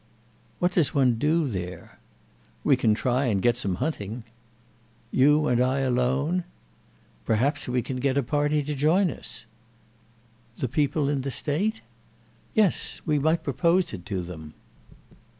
"What does one do there?" "We can try and get some hunting." "You and I alone?" "Perhaps we can get a party to join us." "The people in the State?" "Yes—we might propose it to them."